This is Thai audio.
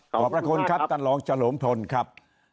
ขอบพระคุณครับท่านรองเฉลิมพลครับ